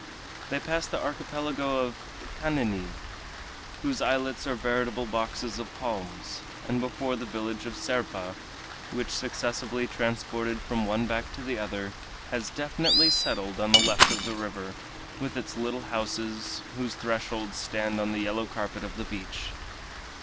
They passed the archipelago of Caniny, whose islets are veritable boxes of palms, and before the village of Serpa, which, successively transported from one back to the other, has definitely settled on the left of the river, with its little houses, whose thresholds stand on the yellow carpet of the beach.